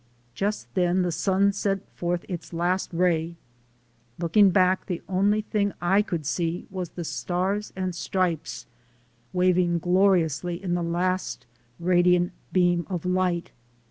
Just then the sun sent forth its last ray. Looking back, the only thing I could see was the Stars and Stripes waving gloriously in the last radiant beam of light.